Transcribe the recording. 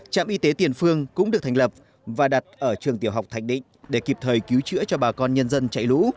trạm y tế tiền phương cũng được thành lập và đặt ở trường tiểu học thạch định để kịp thời cứu chữa cho bà con nhân dân chạy lũ